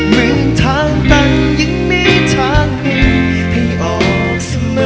ในทางตันยังมีทางมีให้ออกเสมอ